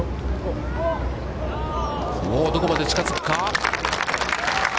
どこまで近づくか。